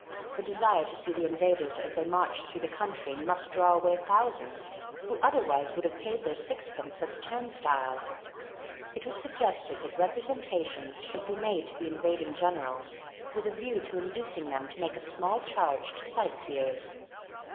The desire to see the invaders as they marched through the country must draw away thousands who otherwise would have paid their sixpences at the turnstiles. It was suggested that representations should be made to the invading generals with a view to inducing them to make a small charge to sightseers.